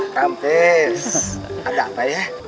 rampes ada apa ya